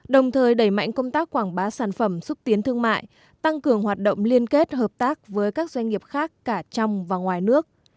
đồng thời đẩy mạnh công tác quảng bá sản phẩm xúc tiến thương mại tăng cường hoạt động liên kết hợp tác với các doanh nghiệp khác cả trong và ngoài nước